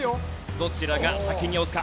どちらが先に押すか。